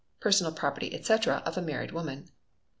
Personal Property, etc., of Married Women.